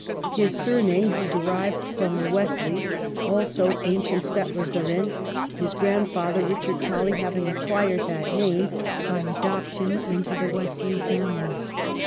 His surname he derived from the Wesleys, also ancient settlers therein, his grandfather, Eichard Colley, having acquired that name (S B WELLINGTON" chap. by adoption into the Wesley family.